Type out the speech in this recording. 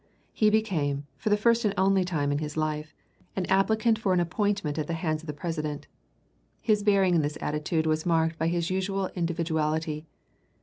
He became, for the first and only time in his life, an applicant for an appointment at the hands of the President. His bearing in this attitude was marked by his usual individuality.